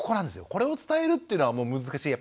これを伝えるっていうのはもう難しい。